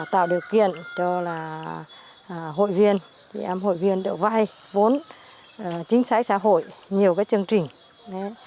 tạo điều kiện cho hội viên em hội viên đỡ vay vốn chính sách xã hội nhiều cái chương trình